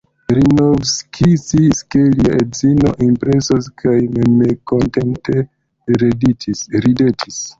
Linovski sciis, ke lia edzino impresos kaj memkontente ridetis.